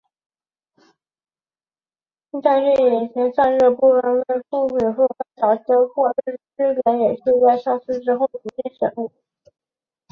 但是引擎散热部份被车体覆盖而导致过热的缺点也在上市后逐渐显露。